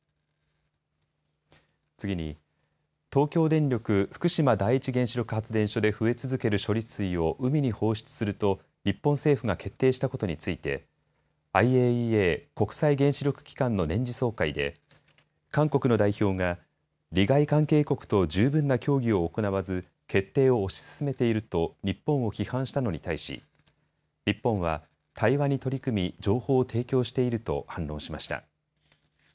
次に、東京電力福島第一原子力発電所で増え続ける処理水を海に放出すると日本政府が決定したことについてＩＡＥＡ・国際原子力機関の年次総会で韓国の代表が利害関係国と十分な協議を行わず決定を推し進めていると日本を批判したのに対し日本は、対話に取り組み情報を提供していると反論しました。